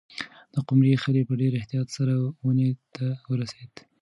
د قمرۍ خلی په ډېر احتیاط سره ونې ته ورسېد.